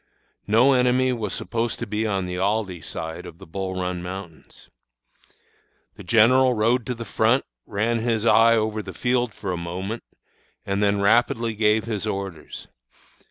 No enemy was supposed to be on the Aldie side of the Bull Run Mountains. "The general rode to the front, ran his eye over the field for a moment, and then rapidly gave his orders.